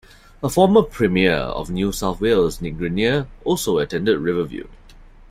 A former Premier of New South Wales, Nick Greiner, also attended Riverview.